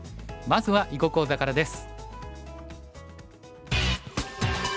まずは囲碁講座からです。